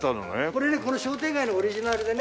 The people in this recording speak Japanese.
これねこの商店街のオリジナルでね。